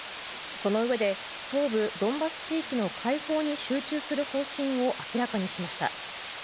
そのうえで東部ドンバス地域の解放に集中する方針を明らかにしました。